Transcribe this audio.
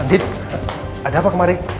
nanti ada apa kemari